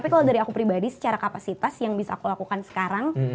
tapi kalau dari aku pribadi secara kapasitas yang bisa aku lakukan sekarang